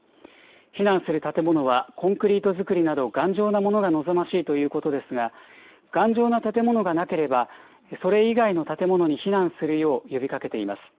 避難する建物はコンクリート造りなど頑丈なものが望ましいということですが、頑丈な建物がなければ、それ以外の建物に避難するよう呼びかけています。